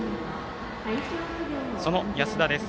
その安田です。